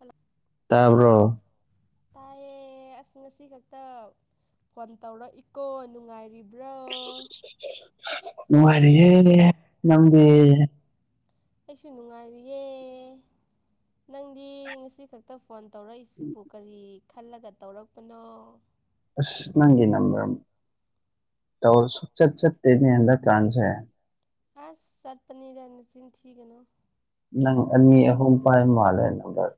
hello ꯇꯥꯕ꯭ꯔꯣ ꯇꯥꯏꯌꯦ ꯑꯁ ꯉꯁꯤꯈꯛꯇ ꯐꯣꯟ ꯇꯧꯔꯛꯏꯀꫭ ꯅꯨꯡꯉꯥꯏꯔꯤꯕ꯭ꯔꯣ ꯅꯨꯉꯥꯏꯔꯤꯌꯦ ꯅꯪꯗꯤ ꯑꯩꯁꯨ ꯅꯨꯡꯉꯥꯏꯔꯤꯌꯦ ꯅꯪꯗꯤ ꯉꯁꯤ ꯈꯛ ꯇ ꯐꯣꯟ ꯇꯧꯔꯛꯏꯁꯤꯕꯨ ꯀꯔꯤ ꯈꯜꯂꯒ ꯇꯧꯔꯛꯄꯅꯣ ꯑꯁ ꯅꯪꯒꯤ ꯅꯝꯕꯔ ꯇꯧꯔꯁꯨ ꯁꯨꯛꯆꯠ ꯆꯠꯇꯦꯅꯦ ꯍꯟꯗꯛ ꯀꯥꯟꯁꯦ ꯑꯁ ꯆꯠꯄꯅꯤꯗ ꯅꯆꯤꯟ ꯊꯤꯒꯅꯣ ꯅꯪ ꯑꯅꯤ ꯑꯍꯨꯝ ꯄꯥꯏꯕ ꯃꯥꯜꯂꯦ ꯅꯝꯕꯔ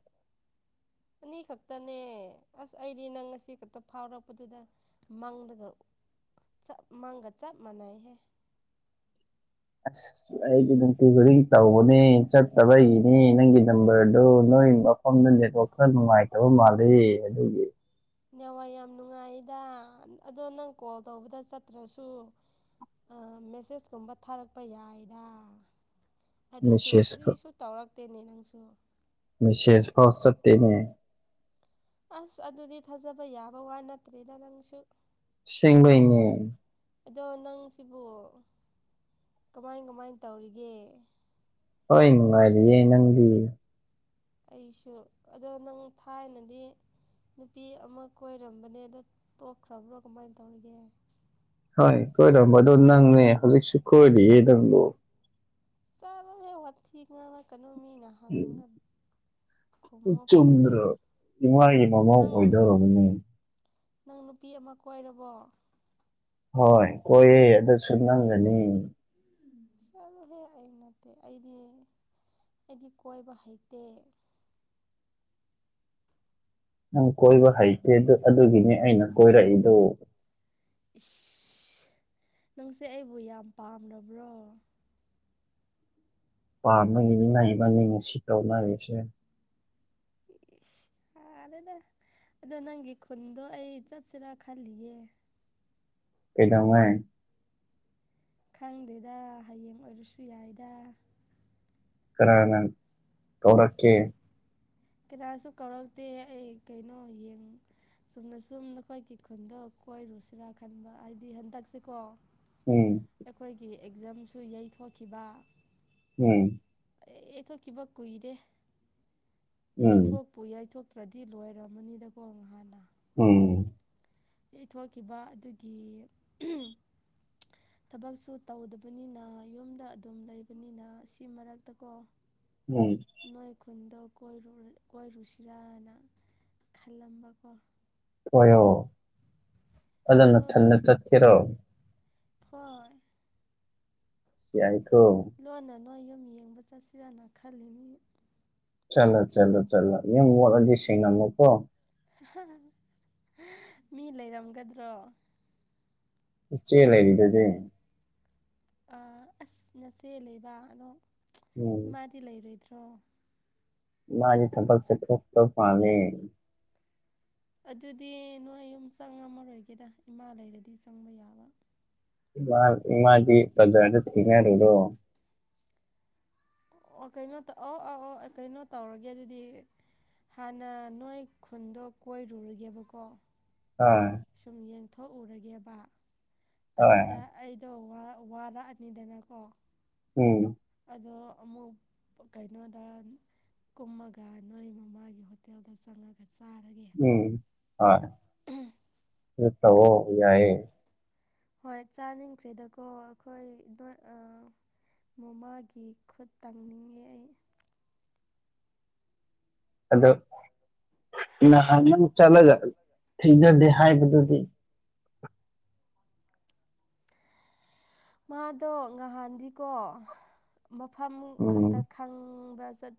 ꯑꯅꯤ ꯈꯛꯇꯅꯦ ꯑꯁ ꯑꯩꯗꯤ ꯅꯪ ꯉꯁꯤ ꯈꯛꯇ ꯐꯥꯎꯔꯛꯄꯗꯨꯗ ꯃꯪꯗꯒ ꯆꯞ ꯃꯪꯒ ꯆꯞ ꯃꯥꯟꯅꯩꯍꯦ ꯑꯁ ꯑꯩꯗꯤ ꯅꯨꯡꯇꯤ ꯈꯨꯗꯤꯡ ꯇꯧꯕꯅꯦ ꯆꯠ ꯆꯠꯇꯕꯒꯤꯅꯦ ꯅꯪꯒꯤ ꯅꯝꯕꯔꯗꯣ ꯅꯣꯏ ꯃꯐꯝꯗ ꯅꯦꯠꯋꯥꯛ ꯈꯔ ꯅꯨꯡꯉꯥꯏꯇꯕ ꯃꯥꯜꯂꯦ ꯑꯗꯨꯒꯤ ꯅꯦꯋꯥꯛ ꯌꯥꯝ ꯅꯨꯡꯉꯥꯏꯗ ꯑꯗꯣ ꯅꯪ ꯀꯣꯜ ꯇꯧꯕꯗ ꯆꯠꯇ꯭ꯔꯁꯨ ꯑ ꯃꯦꯁꯦꯁꯀꯨꯝꯕ ꯊꯥꯔꯛꯄ ꯌꯥꯏꯗ ꯑꯗꯨꯁꯨ ꯃꯦꯁꯦꯖ ꯀꯔꯤꯁꯨ ꯇꯧꯔꯛꯇꯦꯅꯦ ꯅꯪꯁꯨ ꯃꯦꯁꯦꯁ ꯐꯥꯎ ꯆꯠꯇꯦꯅꯦ ꯑꯁ ꯑꯗꯨꯗꯤ ꯊꯥꯖꯕ ꯌꯥꯕ ꯋꯥ ꯅꯠꯇ꯭ꯔꯦꯗ ꯅꯪꯁꯨ ꯑꯁꯦꯡꯕꯩꯅꯦ ꯑꯗꯣ ꯅꯪꯁꯤꯕꯨ ꯀꯃꯥꯏ ꯀꯃꯥꯏ ꯇꯧꯔꯤꯒꯦ ꯍꯣꯏ ꯅꯨꯡꯉꯥꯏꯔꯤꯌꯦ ꯅꯪꯗꯤ ꯑꯩꯁꯨ ꯑꯗꯣ ꯅꯪ ꯊꯥꯏꯅꯗꯤ ꯅꯨꯄꯤ ꯑꯃ ꯀꯣꯏꯔꯝꯕꯅꯦ ꯑꯗꯣ ꯇꯣꯛꯈ꯭ꯔꯕꯣ ꯀꯃꯥꯏ ꯇꯧꯔꯤꯒꯦ ꯍꯣꯏ ꯀꯣꯏꯔꯝꯕꯗꯣ ꯅꯪꯅꯦ ꯍꯧꯖꯤꯛꯁꯨ ꯀꯣꯏꯔꯤꯌꯦ ꯅꯪꯗꯣ ꯆꯠꯂꯣꯍꯦ ꯋꯥꯊꯤ ꯉꯥꯡꯉꯛꯀꯅꯨ ꯃꯤꯅ ꯍꯪꯒꯥꯟ ꯑꯗꫭ ꯆꯨꯝꯗ꯭ꯔꯣ ꯏꯃꯥꯒꯤ ꯃꯥꯃꯧ ꯅꯪ ꯑꯣꯏꯗꯧꯔꯕꯅꯤ ꯅꯪ ꯅꯨꯄꯤ ꯑꯃ ꯀꯣꯏꯔꯕꯣ ꯍꯣꯏ ꯀꯣꯏꯌꯦ ꯑꯗꯨꯁꯨ ꯅꯪꯒꯅꯦ ꯆꯠꯂꯣꯍꯦ ꯑꯩ ꯅꯠꯇꯦ ꯑꯩꯗꯤ ꯑꯩꯗꯤ ꯀꯣꯏꯕ ꯍꯩꯇꯦ ꯅꯪ ꯀꯣꯏꯕ ꯍꯩꯇꯦ ꯑꯗꯨꯒꯤꯅꯤ ꯑꯩꯅ ꯀꯣꯏꯔꯛꯏꯗꫭ ꯏꯁ ꯅꯪꯁꯦ ꯑꯩꯕꯨ ꯌꯥꯝ ꯄꯥꯝꯂꯥꯕ꯭ꯔꯣ ꯄꯥꯃꯦ ꯅꯪ ꯏꯕꯥꯅꯤ ꯉꯁꯤ ꯇꯧꯅꯥꯔꯤꯁꯦ ꯏꯁ ꯌꯥꯔꯦꯗ ꯑꯗꯣ ꯅꯪꯒꯤ ꯈꯨꯟꯗꯣ ꯑꯩ ꯆꯠꯁꯤꯔꯥ ꯈꯜꯂꯤꯌꯦ ꯀꯩꯗꯧꯉꯩ ꯈꯪꯗꯦꯗ ꯍꯌꯦꯡ ꯑꯣꯏꯔꯁꯨ ꯌꯥꯏꯗ ꯀꯅꯥꯅ ꯀꯧꯔꯛꯀꯦ ꯀꯅꯥꯁꯨ ꯀꯧꯔꯛꯇꯦ ꯑꯩ ꯀꯩꯅꯣ ꯌꯦꯡ ꯆꯨꯝꯅꯁꯨꯝ ꯅꯈꯣꯏꯒꯤ ꯈꯨꯟꯗꯣ ꯀꯣꯏꯔꯨꯁꯤꯔꯥ ꯈꯟꯕ ꯍꯥꯏꯗꯤ ꯍꯟꯗꯛꯁꯤꯀꯣ ꯎꯝ ꯑꯩꯈꯣꯏꯒꯤ ꯑꯦꯛꯖꯥꯝꯁꯨ ꯌꯩꯊꯣꯛꯈꯤꯕ ꯎꯝ ꯑꯦꯊ ꯀꯤꯕ ꯀꯨꯏꯔꯦ ꯎꯝ ꯌꯩꯊꯣꯛꯄꯨ ꯌꯩꯊꯣꯛꯇ꯭ꯔꯗꯤ ꯂꯣꯏꯔꯝꯃꯅꯤꯗꯀꯣ ꯉꯍꯥꯟꯅ ꯎꯝ ꯌꯩꯊꯣꯛꯈꯤꯕ ꯑꯗꯨꯒꯤ [inaudible] ꯊꯕꯛꯁꯨ ꯇꯧꯗꯕꯅꯤꯅ ꯌꯨꯝꯗ ꯑꯗꯨꯝ ꯂꯩꯕꯅꯤꯅ ꯁꯤ ꯃꯔꯛꯇꯀꯣ ꯎꯝ ꯅꯣꯏ ꯈꯨꯟꯗ‌ꯣ ꯀꯣꯏꯔꯨꯁꯤꯔꯥꯅ ꯈꯜꯂꯝꯕꯀꯣ ꯀ‌ꯣꯏꯌꯣ ꯑꯗꯨꯅ ꯑꯗꯣ ꯃꯊꯟꯅ ꯆꯠꯈꯤꯔꯣ ꯍꯣꯏ ꯌꯥꯥꯏꯀ‌ꯣ ꯂꯣꯟꯅ ꯅꯣꯏ ꯌꯨꯝ ꯌꯦꯡꯕ ꯆꯠꯁꯤꯔꯥꯅ ꯈꯜꯂꯤꯅꯤ ꯆꯂꯣ ꯆꯠꯂꯣ ꯆꯠꯂꯣ ꯌꯨꯝ ꯃ‌ꯣꯜꯂꯗꯤ ꯁꯦꯡꯉꯝꯃꯨꯀꯣ ꯃꯤ ꯂꯩꯔꯝꯒꯗ꯭ꯔꯣ ꯏꯆꯦ ꯂꯩꯔꯤꯗꯨꯗꯤ ꯑꯁ ꯅꯆꯦ ꯂꯩꯕ ꯑꯗꯣ ꯎꯝ ꯏꯃꯥꯗꯤ ꯂꯩꯔꯣꯏꯗ꯭ꯔꯣ ꯃꯥꯗꯤ ꯊꯕꯛ ꯆꯠꯍꯣꯛꯄ ꯄꯥꯂ‌ꯦ ꯑꯗꯨꯗꯤ ꯅꯣꯏ ꯌꯨꯝ ꯆꯪꯉꯝꯃꯔꯣꯏꯒꯦꯗ ꯏꯃꯥ ꯂꯩꯔꯗꯤ ꯆꯪꯕ ꯌꯥꯕ ꯏꯃ ꯏꯃꯗꯤ ꯄꯖꯗ ꯊꯦꯡꯅꯔꯔꯣ ꯑꯣ ꯀꯩꯅꯣ ꯇꯧ ꯑꯧ ꯑꯧ ꯑ ꯀꯩꯅꯣ ꯇꯧꯔꯒꯦ ꯑꯗꯨꯗꯤ ꯍꯥꯟꯅ ꯅꯣꯏ ꯈꯨꯟꯗꯣ ꯀꯣꯏꯔꯨꯔꯒꯦꯕꯀꯣ ꯑꯥ ꯁꯨꯝ ꯌꯦꯡꯊꯣꯛꯎꯔꯒꯦꯕ ꯍꯣꯏ ꯑꯗꯨꯗ ꯑꯩꯗꯣ ꯋꯥꯔꯛꯑꯅꯤꯗꯅꯀꯣ ꯎꯝ ꯑꯗꯣ ꯑꯃꯨꯛ ꯀꯩꯅꯣꯗ ꯀꯨꯝꯃꯒ ꯅꯣꯏ ꯃꯃꯥꯒꯤ ꯍꯣꯇꯦꯜꯗ ꯆꯪꯉꯒ ꯆꯥꯔꯒꯦ ꯎꯝ ꯍꯠꯇ ꯑꯣ ꯌꯥꯑ ꯍꯣꯏ ꯆꯥꯅꯤꯡꯈ꯭ꯔꯦꯗꯀꯣ ꯑꯩꯈꯣꯏ ꯗꯣꯍ ꯑ ꯃꯃꯥꯒꯤ ꯈꯨꯠ ꯇꯪꯅꯤꯡꯉꯦ ꯑꯩ ꯑꯗꯣ ꯅꯍꯥꯟ ꯅꯪ ꯆꯠꯂꯒ ꯊꯦꯡꯖꯗꯦ ꯍꯥꯏꯕꯗꯨꯗꯤ ꯃꯥꯗꯣ ꯉꯍꯥꯟꯗꯤꯀꯣ ꯃꯐꯝ ꯎꯝ ꯈꯛꯇ ꯈꯪꯕ ꯆꯠ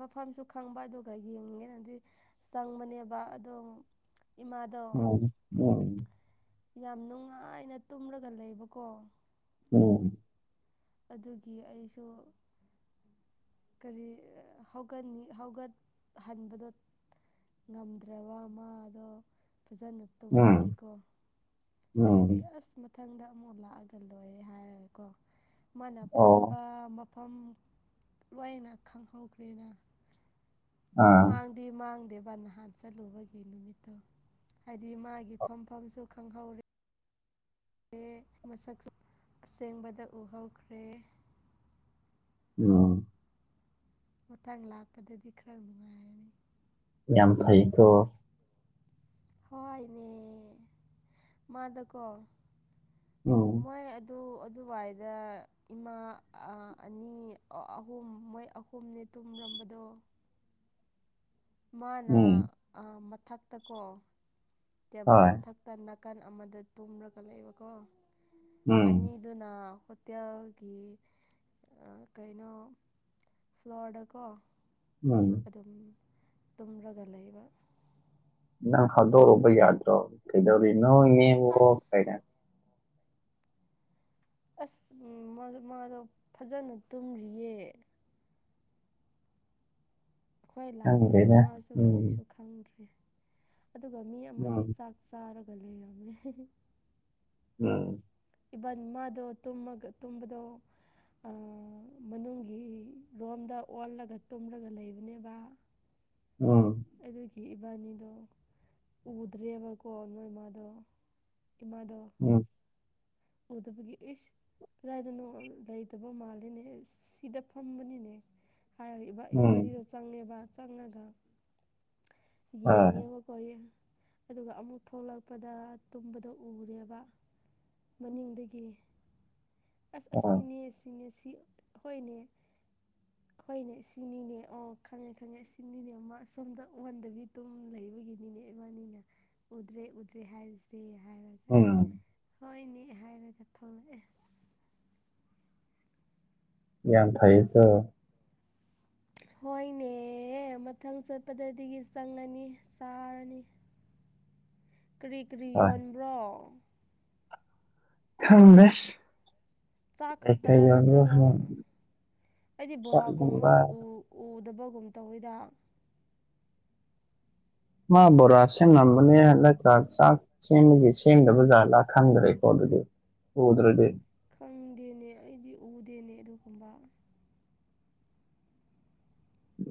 ꯃꯐꯝꯁꯨ ꯈꯪꯕ ꯑꯗꯨꯒ ꯌꯦꯡꯒꯦꯅꯗꯤ ꯆꯪꯕꯅꯦꯕ ꯑꯗꯝ ꯏꯃꯥꯗ‌ꯣ ꯎꯝ ꯌꯥꯝ ꯅꯨꯡꯉꯥꯏꯅ ꯇꯨꯝꯔꯒ ꯂꯩꯕꯀꯣ ꯎꯝ ꯑꯗꯨꯒꯤ ꯑꯩꯁꯨ ꯀꯔꯤ ꯍꯧꯒꯅꯤ ꯍꯧꯒꯠꯍꯟꯕꯗꯣ ꯉꯝꯗ꯭ꯔꯕ ꯑꯃꯗꯣ ꯐꯖꯅ ꯎꯝ ꯇꯨꯝꯕꯒꯤꯀꯣ ꯎꯝ ꯑꯗꯨꯒꯤ ꯑꯁ ꯃꯊꯪꯗ ꯑꯃꯨꯛ ꯂꯥꯛꯑꯒ ꯂꯣꯏꯔꯦ ꯍꯥꯏꯔꯒꯦꯀꯣ ꯃꯥꯅ ꯑꯣ ꯐꯝꯕ ꯃꯐꯝ ꯂꯣꯏꯅ ꯈꯪꯍꯧꯈ꯭ꯔꯦꯅ ꯑꯥ ꯃꯥꯡꯗꯤ ꯃꯥꯡꯗꯦꯕ ꯅꯍꯥꯟ ꯆꯠꯂꯨꯕꯒꯤ ꯅꯨꯃꯤꯠꯇꯣ ꯍꯥꯏꯗꯤ ꯃꯥꯒꯤ ꯐꯝꯐꯝꯁꯨ ꯈꯪꯍꯧ ꯃꯁꯛꯁꯨ ꯑꯁꯦꯡꯕꯗ ꯎꯍꯧꯈ꯭ꯔꯦ ꯎꯝ ꯃꯇꯥꯡ ꯂꯥꯛꯄꯗꯗꯤ ꯈꯔ ꯅꯨꯡꯉꯥꯏꯔꯅꯤ ꯌꯥꯝ ꯐꯩꯀꯣ ꯍꯣꯏꯅꯦ ꯃꯥꯗꯣꯀꯣ ꯎꯝ ꯃꯣꯏ ꯑꯗꯨ ꯑꯗꯨꯋꯥꯏꯗ ꯏꯃꯥ ꯑꯅꯤ ꯑꯍꯨꯝ ꯃꯣꯏ ꯑꯍꯨꯝ ꯄꯨꯝꯅꯦ ꯇꯨꯝꯕꯔꯝꯕꯗꯣ ꯃꯥꯅ ꯎꯝ ꯃꯊꯛꯇꯀꯣ ꯇꯦꯕꯜ ꯍꯣꯏ ꯃꯊꯛ ꯇ ꯅꯥꯀꯟ ꯑꯃꯗ ꯇꯨꯝꯂꯒ ꯂꯩꯕꯀꯣ ꯎꯝ ꯑꯅꯤ ꯑꯗꯨꯅ ꯍꯣꯇꯦꯜꯒꯤ ꯀꯩꯅꯣ ꯐ꯭ꯂꯣꯔꯗꯥ ꯀꯣ [unintelligible] ꯑꯗꯨꯝ ꯇꯨꯝꯔꯒ ꯂꯩꯕ ꯅꯪ ꯍꯥꯗꯣꯛꯎꯨꯕ ꯌꯥꯗ꯭ꯔꯣ ꯀꯩꯗꯧꯔꯤ ꯅꯣ [unintelligible] [unintelligible] [unintelligible] ꯑꯁ ꯑꯁ ꯎꯝ ꯃꯥꯗꯣ ꯐꯖꯅ ꯇꯨꯝꯒꯔ꯭ꯤꯌꯦ ꯑꯩꯈꯣꯏ ꯂꯥꯛꯄꯁꯨ ꯈꯪꯗꯦꯗ ꯃꯥꯁꯨ ꯎꯝ ꯀꯔꯤꯁꯨ ꯈꯪꯗ꯭ꯔꯦ ꯑꯗꯨꯒ ꯃꯤ ꯑꯃꯗꯤ ꯎꯝ ꯆꯥꯛ ꯆꯥꯔꯒ ꯂꯩꯔꯝꯃꯦ ꯎꯝ ꯏꯕꯟ ꯃꯥꯗꯣ ꯇꯨꯝꯃꯒ ꯇꯨꯝꯕꯗꯣ ꯃꯅꯨꯡꯒꯤ ꯔꯣꯝꯗ ꯑꯣꯜꯂꯒ ꯇꯨꯝꯂꯒ ꯂꯩꯕꯅꯦꯕ ꯑ ꯑꯗꯨꯒꯤ ꯏꯕꯥꯅꯤꯗꯣ ꯎꯗ꯭ꯔꯦꯕꯀꯣ ꯅꯣꯏ ꯃꯥꯗꯣ ꯏꯃꯥꯗꯣ ꯎꯝ ꯎꯗꯕꯒꯤ ꯏꯁ ꯀꯗꯥꯏꯗꯅꯣ ꯂꯩꯇꯕ ꯃꯥꯜꯂꯤꯅꯦ ꯁꯤꯗ ꯐꯝꯕꯅꯤꯅꯦ ꯍꯥꯏꯔꯒ ꯏꯕꯥꯅꯤꯗꯣ ꯆꯪꯉꯦꯕ ꯆꯪꯉꯒ ꯌꯦꯡꯉꯦꯕ ꯍꯣꯏꯌꯦ ꯑꯗꯨꯒ ꯑꯃꯨꯛ ꯊꯣꯛꯂꯛꯄꯗ ꯇꯨꯝꯕꯗ ꯎꯔꯦꯕ ꯃꯅꯤꯡꯗꯒꯤ ꯑꯁ ꯑꯁꯤꯅꯦ ꯑꯁꯤꯅꯦ ꯁꯤ ꯑꯈꯣꯏꯅꯦ ꯍꯣꯏꯅꯦ ꯁꯤꯅꯤꯅꯦ ꯑꯣ ꯈꯪꯉꯦ ꯈꯪꯉꯦ ꯁꯤꯅꯤꯅꯦ ꯃ ꯁꯣꯝꯗ ꯑꯣꯟꯗꯥꯕꯤꯗꯥ ꯇꯨꯝ ꯂꯩꯕꯒꯤꯅꯤꯅꯦ ꯏꯕꯥꯅꯤꯅ ꯎꯗ꯭ꯔꯦ ꯎꯗ꯭ꯔꯦ ꯍꯥꯏꯔꯤꯁꯦ ꯍꯥꯏꯔꯒ ꯎꯝ ꯍꯣꯏꯅꯦ ꯍꯥꯏꯔꯒ ꯊꯣꯛꯂꯛꯑꯦ ꯌꯥꯝ ꯐꯩꯌꯦꯀꯣ ꯍꯣꯏꯅꯦ ꯃꯊꯪ ꯆꯠꯄꯗꯗꯒꯤ ꯆꯪꯉꯅꯤ ꯆꯥꯔꯅꯤ [inaudible] ꯀ꯭ꯔꯤ ꯀ꯭ꯔꯤ ꯌꯣꯟꯕ꯭ꯔꯣ [unintelligible] ꯆꯥꯛ ꯈꯛꯇꯔꯥ ꯅꯠꯇ꯭ꯔꯒ ꯑꯩꯗꯤ ꯕꯣꯔꯥꯒꯨꯝꯕꯁꯨ ꯎ ꯎꯗꯕꯒꯨꯝ ꯇꯧꯋꯦꯗ ꯃꯥ ꯕꯣꯔꯥ ꯁꯤꯡꯉꯝꯕꯅꯦ [unintelligible] [unintelligible] ꯆꯦꯡꯗꯒꯤ ꯁꯦꯝꯗꯕ ꯖꯥꯠꯂꯥ ꯈꯥꯪꯗ꯭ꯔꯦꯀꯣ ꯑꯗꯨꯗꯤ ꯎꯗ꯭ꯔꯗꯤ ꯈꯪꯗꯦꯅꯦ ꯑꯩꯗꯤ ꯎꯗꯦꯅꯦ ꯑꯗꯨꯒꯨꯝꯕ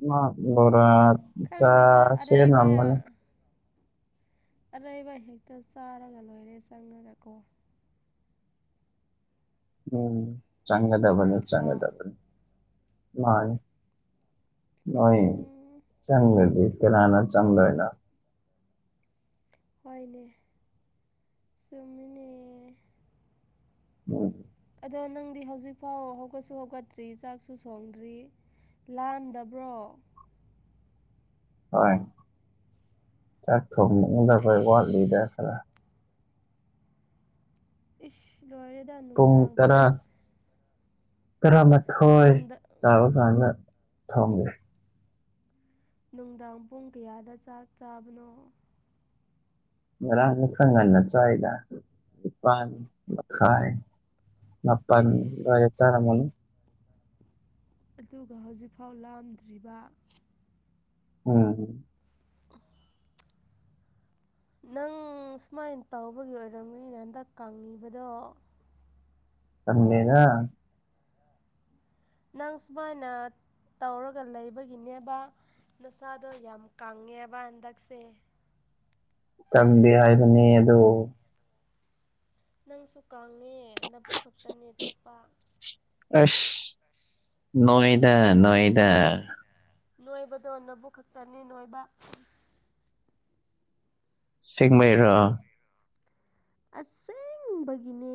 ꯃꯥ ꯕꯣꯔꯥ ꯆꯥ ꯈꯪꯗꯦꯗ ꯑꯔꯩꯕ ꯁꯦꯝꯃꯝꯕꯅꯦ ꯑꯔꯩꯕ ꯍꯦꯛꯇ ꯆꯥꯔꯒ ꯂꯣꯏꯔꯦ ꯆꯪꯉꯒ ꯀꯣ ꯎꯝ ꯆꯪꯒꯗꯕꯅꯤ ꯅꯠꯇ꯭ꯔꯣ ꯆꯪꯒꯗꯕꯅꯤ ꯃꯥꯟꯅꯤ ꯅꯣꯏ ꯎꯝ ꯆꯪꯗꯔꯗꯤ ꯀꯅꯥꯅ ꯆꯪꯗꯣꯏꯅꯣ ꯍꯣꯏꯅꯦ ꯆꯨꯝꯃꯤꯅꯦ ꯑꯗꯣ ꯅꯪꯗꯤ ꯍꯧꯖꯤꯛ ꯐꯥꯎ ꯍꯧꯒꯠꯁꯨ ꯍꯧꯒꯠꯇ꯭ꯔꯤ ꯆꯥꯛꯁꯨ ꯊꯣꯡꯗ꯭ꯔꯤ ꯂꯝꯗꯕ꯭ꯔꯣ ꯍꯣꯏ ꯆꯥꯛ ꯊꯣꯡꯅꯕ [unintelligible] ꯏꯁ ꯋꯥꯠꯂꯤꯗ ꯈꯔ ꯏꯁ ꯂꯣꯏꯔꯦꯗ ꯅꯨꯡꯗꯥꯡ ꯄꯨꯡ ꯇꯔꯥꯃꯥꯊꯣꯏ ꯅꯨꯡꯗ ꯇꯥꯕ ꯀꯥꯟꯗ ꯊꯣꯡꯒꯦ ꯅꯨꯡꯗꯥꯡ ꯄꯨꯡ ꯀꯌꯥꯗ ꯆꯥꯛ ꯆꯥꯕꯅꯣ ꯉꯔꯥꯡꯗ ꯈꯔ ꯉꯟꯅ ꯆꯥꯏꯗ ꯅꯤꯄꯥꯟ ꯃꯈꯥꯏ ꯃꯄꯟ ꯑꯩꯁ ꯑꯗꯨꯋꯥꯏꯗ ꯆꯔꯝꯃꯅꯤ ꯑꯗꯨꯒ ꯍꯧꯖꯤꯛꯐꯥꯎ ꯂꯥꯝꯗ꯭ꯔꯤꯕ ꯎꯝ [unintelligible] ꯅꯪ ꯁꯨꯃꯥꯏꯅ ꯇꯧꯕꯒꯤ ꯑꯣꯏꯔꯝꯅꯤ ꯍꯟꯗꯛ ꯀꯪꯉꯤꯕꯗꯣ ꯈꯪꯗꯦꯗ ꯅꯪ ꯁꯨꯃꯥꯏꯅ ꯇꯧꯔꯒ ꯂꯩꯕꯒꯤꯅꯦꯕ ꯅꯁꯥꯗꯣ ꯌꯥꯝ ꯀꯪꯉꯦꯕ ꯍꯟꯗꯛꯁꯦ ꯀꯪꯗꯦ ꯍꯥꯏꯕꯅꯦ ꯑꯗꯣ ꯅꯪꯁꯨ ꯀꯪꯉꯦ ꯅꯕꯨꯛ ꯈꯛꯇꯅꯦ ꯊꯣꯛꯄ ꯑꯩꯁ ꯅꯣꯏꯗ ꯅꯣꯏꯗ ꯅꯣꯏꯕꯗꯣ ꯅꯧꯕꯛ ꯈꯛꯇꯅꯦ ꯅꯣꯏꯕ ꯁꯦꯡꯕꯩꯔꯣ ꯑꯁꯦꯡꯕꯒꯤꯅꯦ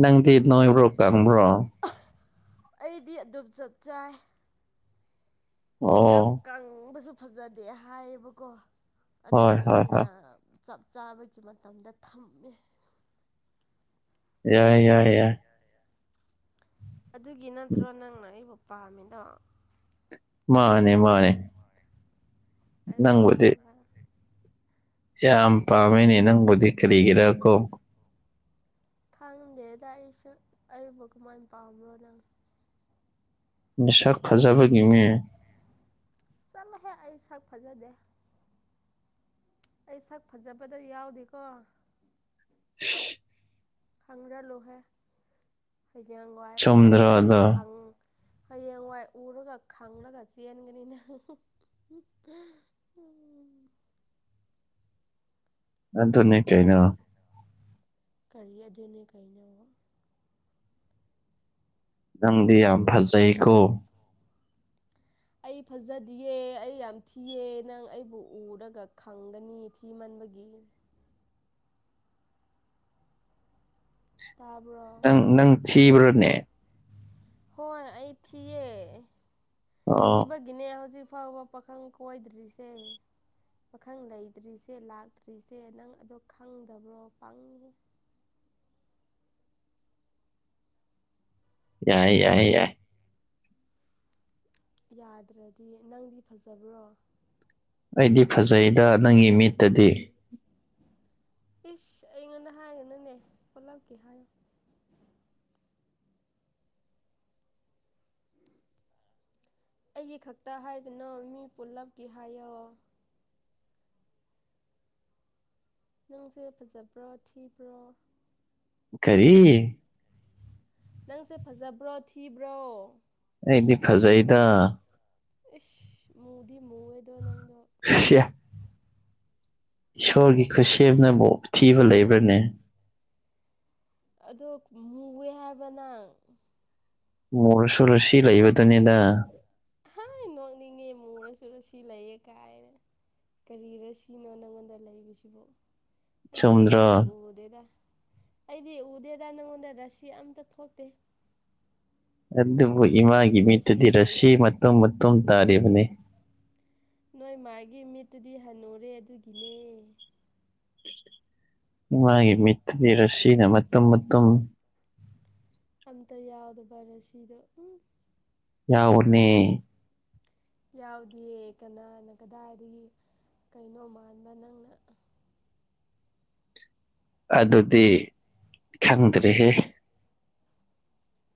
ꯅꯪꯗ ꯅꯣꯏꯕ꯭ꯔꯣ ꯀꯪꯕ꯭ꯔꯣ [unintelligible] ꯑꯩꯗꯤ ꯑꯗꯨꯝ ꯆꯞ ꯆꯥꯏ ꯑꯣ ꯌꯥꯝ ꯀꯪꯕꯁꯨ ꯐꯖꯗꯦ ꯍꯥꯏꯌꯦꯕꯀꯣ ꯍꯣꯏ ꯑꯗꯨꯒꯤ ꯍꯣꯏ ꯑꯩꯅ ꯍꯣꯏ ꯆꯞ ꯆꯥꯕꯒꯤ ꯃꯇꯝꯗ ꯊꯝꯃꯦ ꯌꯥꯏ ꯌꯥꯏ ꯌꯥꯏ ꯑꯗꯨꯒꯤ ꯅꯠꯇ꯭ꯔꯣ ꯅꯪꯅ ꯑꯩꯕꯨ ꯄꯥꯝꯃꯤꯗꯣ ꯃꯥꯅꯦ ꯃꯥꯅꯦ ꯅꯪꯕꯨꯗꯤ ꯑꯗꯨꯅꯤꯕ ꯌꯥꯝ ꯄꯥꯝꯃꯦꯅꯦ ꯅꯪꯕꯨꯗꯤ ꯀꯔꯤꯒꯤꯔꯀꯣ ꯈꯪꯗꯦꯗ ꯑꯩꯁꯨ ꯑꯩꯕꯨ ꯀꯃꯥꯏꯅ ꯄꯥꯝꯕ꯭ꯔꯣ ꯅꯪ ꯃꯤꯁꯛ ꯐꯖꯕꯒꯤ ꯅꯦ ꯆꯠꯂꯣꯍꯦ ꯑꯩ ꯁꯛ ꯐꯖꯗꯦ ꯑꯩ ꯁꯛ ꯐꯖꯕꯗ ꯌꯥꯎꯗꯦꯀꯣ ꯈꯪꯖꯜꯂꯨꯍꯦ ꯍꯩꯌꯦꯡꯋꯥꯏ ꯆꯨꯝꯗ꯭ꯔꯣ ꯎꯔꯒ ꯑꯗꯣ ꯈꯪ ꯍꯌꯦꯡꯋꯥꯏ ꯎꯔꯒ ꯈꯪꯂꯒ ꯆꯦꯟꯒꯅꯤꯅꯦ ꯑꯗꯨꯅꯦ ꯀꯩꯅꯣ ꯀꯔꯤ ꯑꯗꯨꯅꯦ ꯀꯩꯅꯣ ꯅꯪꯗꯤ ꯌꯥꯝ ꯅꯪ ꯐꯖꯩꯀꯣ ꯑꯩ ꯐꯖꯗꯤꯌꯦ ꯑꯩ ꯌꯥꯝ ꯊꯤꯌꯦ ꯅꯪ ꯑꯩꯕꯨ ꯎꯔꯒ ꯈꯪꯒꯅꯤ ꯊꯤꯃꯟꯕꯒꯤ ꯇꯥꯔ꯭ꯕꯣ ꯅꯪ ꯅꯪ ꯊꯤꯕ꯭ꯔꯅꯦ ꯍꯣꯏ ꯑꯩ ꯊꯤꯌꯦ ꯑꯣ ꯊꯤꯕ- ꯒꯤꯅꯦ ꯍꯧꯖꯤꯛ ꯐꯥꯎꯕ ꯄꯥꯈꯪ ꯀꯣꯏꯗ꯭ꯔꯤꯁꯦ ꯄꯥꯈꯪ ꯂꯩꯇ꯭ꯔꯤꯁꯦ ꯂꯥꯛꯇ꯭ꯔꯤꯁꯦ ꯅꯪ ꯑꯗꯣ ꯈꯪꯗꯕ꯭ꯔꯣ ꯄꯪꯉꯤꯍꯦ ꯌꯥꯏ ꯌꯥꯏ ꯌꯥꯏ ꯌꯥꯗ꯭ꯔꯗꯤ ꯅꯪꯗꯤ ꯐꯖꯕ꯭ꯔꯣ ꯑꯩꯗꯤ ꯐꯖꯩꯗ ꯅꯪꯒꯤ ꯃꯤꯠꯇꯗꯤ ꯏꯁ ꯑꯩꯉꯣꯟꯗ ꯍꯥꯏꯒꯅꯨꯅꯦ ꯄꯨꯂꯞꯀꯤ ꯍꯥꯏꯌꯣ ꯑꯩꯒꯤ ꯈꯛꯇ ꯍꯥꯏꯒꯅꯣ ꯃꯤ ꯄꯨꯜꯂꯞꯀꯤ ꯍꯥꯏꯌꯣ ꯅꯪꯁꯦ ꯐꯖꯕ꯭ꯔꯣ ꯊꯤꯕ꯭ꯔꯣ ꯀꯔꯤ ꯅꯪꯁꯦ ꯐꯖꯕ꯭ꯔꯣ ꯊꯤꯕ꯭ꯔꯣ ꯑꯩꯗꯤ ꯐꯖꯩꯗ ꯏꯁ ꯃꯨꯗꯤ ꯃꯨꯋꯦꯗꯣ ꯅꯪꯗꯣ ꯁꯤꯌꯥ ꯏꯁꯣꯔꯒꯤ ꯈꯨꯠꯁꯦꯝꯅꯕꯨ ꯊꯤꯕ ꯂꯩꯕ꯭ꯔꯅꯦ ꯑꯗꯣ ꯃꯨꯋꯦ ꯍꯥꯏꯕ ꯅꯪ ꯃꯨꯔꯁꯨ ꯔꯥꯁꯤ ꯂꯩꯕꯗꯨꯅꯤꯗ ꯍꯥꯏ ꯅꯣꯛꯅꯤꯡꯉꯦ ꯃꯨꯔꯁꯨꯨ ꯔꯥꯁꯤ ꯂꯩꯌꯦ ꯀꯥꯏꯅ ꯀꯔꯤꯔꯣ ꯔꯥꯁꯤꯅꯣ ꯅꯪꯉꯣꯟꯗ ꯂꯩꯕꯁꯤꯕꯨ ꯑꯩꯗꯤ ꯆꯨꯝꯗ꯭ꯔꯣ ꯑꯝꯇ ꯎꯗꯦꯗ ꯑꯩꯗꯤ ꯎꯗꯦꯗ ꯅꯪꯉꯣꯟꯗ ꯔꯥꯁꯤ ꯑꯝꯇ ꯊꯣꯛꯇꯦ ꯑꯗꯨꯕꯨ ꯏꯃꯥꯒꯤ ꯔꯁꯤ ꯃꯤꯠꯇꯗꯤ ꯔꯥꯁꯤ ꯂꯩꯇꯦ ꯃꯇꯨꯝ ꯃꯇꯨꯝ ꯇꯥꯔꯤꯕꯅꯤ ꯅꯣꯏ ꯃꯥꯒꯤ ꯃꯤꯠꯇꯨꯗꯤ ꯍꯟꯅꯨꯔꯦ ꯑꯗꯨꯒꯤꯅꯦ ꯏꯃꯥꯒꯤ ꯃꯤꯠꯇꯗꯤ ꯔꯥꯁꯤꯅ ꯃꯇꯨꯝ ꯃꯇꯨꯝ ꯑꯝꯇ ꯌꯥꯎꯗꯦꯕ ꯔꯥꯁꯤꯗꯣ ꯎꯝ ꯌꯥꯎꯕꯅꯦ ꯌꯥꯎꯗꯦ ꯀꯅꯥꯅ ꯀꯗꯥꯏꯗꯒꯤ ꯀꯩꯅꯣ ꯃꯥꯟꯕ ꯅꯪꯅ ꯑꯗꯨꯗꯤ ꯈꯪꯗ꯭ꯔꯦꯍꯦ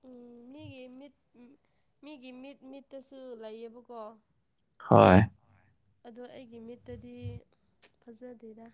ꯎꯝ ꯃꯤꯒꯤ ꯃꯤꯠ ꯃꯤꯒꯤ ꯃꯤꯠ ꯃꯤꯠꯇꯁꯨ ꯂꯩꯌꯦꯕꯀꯣ ꯍꯣꯏ ꯑꯗꯣ ꯑꯩꯒꯤ ꯃꯤꯠꯇꯗꯤ ꯑ ꯐꯖꯗꯦꯗ